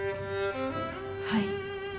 はい。